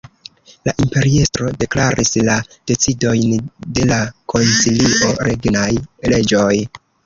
La imperiestro deklaris la decidojn de la koncilio regnaj leĝoj.